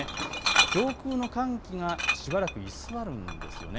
上空の寒気がしばらく居座るんです。